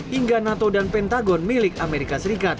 hingga nato dan pentagon milik amerika serikat